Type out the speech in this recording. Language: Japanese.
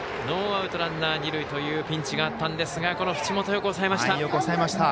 ノーアウト、ランナー、二塁のピンチがあったんですがこの淵本、よく抑えました。